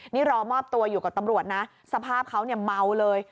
นี่รอมอบตัวอยู่กับตำรวจนะสภาพเขาเนี่ยเมาเลย